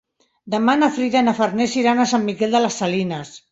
Demà na Frida i na Farners iran a Sant Miquel de les Salines.